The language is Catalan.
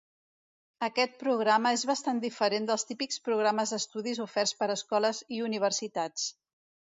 Aquest programa és bastant diferent dels típics programes d'estudis oferts per escoles i universitats.